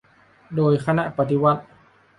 โดยคณะปฏิวัติ